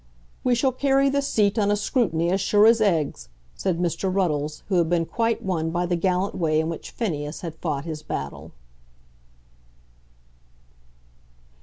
"We shall carry the seat on a scrutiny as sure as eggs," said Mr. Ruddles, who had been quite won by the gallant way in which Phineas had fought his battle.